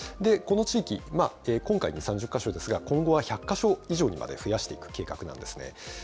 この地域、今回、２、３０か所ですが、今後は１００か所以上にまで増やしていく計画なんですね。